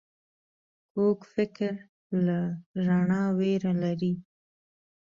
کوږ فکر له رڼا ویره لري